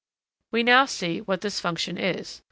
We now see what this function is.